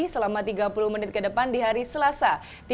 selama tiga puluh menit ke depan di hari selasa